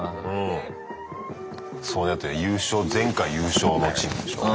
そうだって優勝前回優勝のチームでしょう？